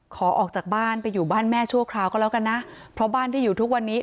ออกจากบ้านไปอยู่บ้านแม่ชั่วคราวก็แล้วกันนะเพราะบ้านที่อยู่ทุกวันนี้